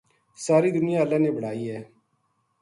ساری دنیا اللہ نے بنائی ہے۔